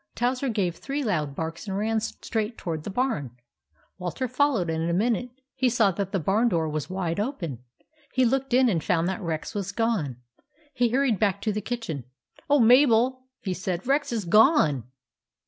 Towser gave three loud barks and ran straight toward the barn. Walter followed, and in a minute he saw that the barn door was wide open. He looked in and found that Rex was gone. He hurried back to the kitchen. " Oh, Mabel !" he said ;" Rex is gone